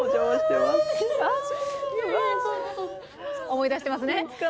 思い出してますね。